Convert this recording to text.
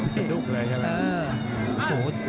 สะดุ้งเลยใช่ไหม